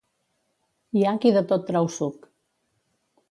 Hi ha qui de tot trau suc.